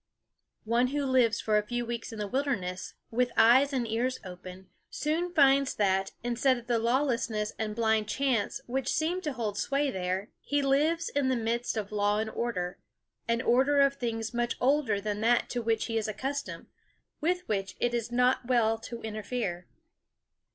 One who lives for a few weeks in the wilderness, with eyes and ears open, soon finds that, instead of the lawlessness and blind chance which seem to hold sway there, he lives in the midst of law and order an order of things much older than that to which he is accustomed, with which it is not well to interfere.